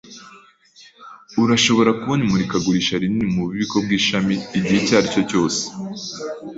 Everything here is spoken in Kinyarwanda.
Urashobora kubona imurikagurisha rinini mububiko bwishami igihe icyo aricyo cyose.